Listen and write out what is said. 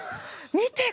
見て！